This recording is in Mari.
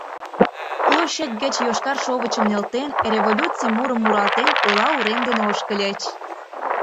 Площадь гыч йошкар шовычым нӧлтен, революций мурым муралтен ола урем дене ошкыльыч.